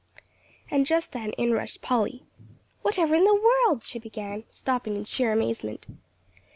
And just then in rushed Polly. "Whatever in the world " she began, stopping in sheer amazement.